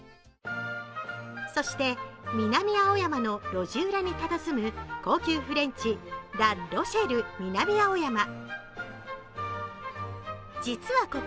そして、南青山の路地裏にたたずむ高級フレンチ、ラ・ロシェル南青山。